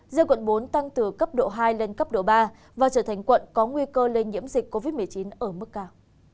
riêng quận bốn tăng từ cấp độ hai lên cấp độ ba và trở thành quận có nguy cơ lây nhiễm dịch covid một mươi chín ở mức cao